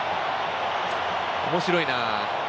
面白いな。